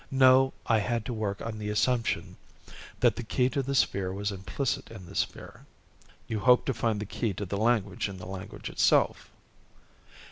No, I had to work on the assumption that the key to the sphere was implicit in the sphere." "You hoped to find the key to the language in the language itself?"